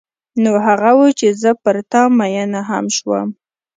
نو هغه و چې زه پر تا مینه هم شوم.